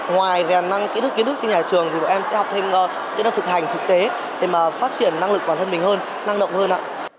ngoài kỹ thức trên nhà trường thì bọn em sẽ học thêm kỹ thức thực hành thực tế để phát triển năng lực bản thân mình hơn năng động hơn